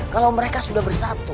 kalau mereka sudah bersatu